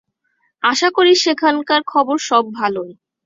আশা করি সেখানকার খবর সব ভালই।